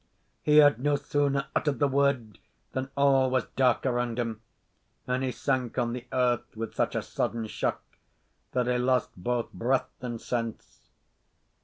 He had no sooner uttered the word than all was dark around him; and he sank on the earth with such a sudden shock that he lost both breath and sense.